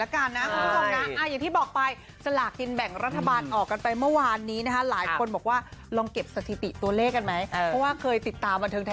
ก็คิดกันให้ทำงานอีก๑๕วันก็สู้กันใหม่แล้วกันนะ